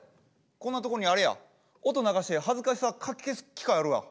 こんなとこにあれや音流して恥ずかしさかき消す機械あるわ。